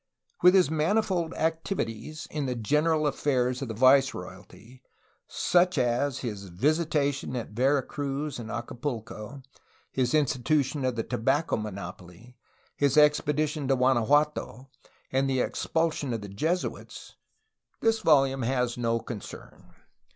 With his manifold activities in the general affairs of the viceroyalty — such as his visitations at Vera Cruz and Acapulco, his institution of the tobacco monopoly, his ex pedition to Guanajuato, and the expulsion of the Jesuits — this volume has no concern.